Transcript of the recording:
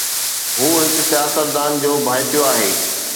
هو هڪ سياستدان جو ڀائٽيو آهي.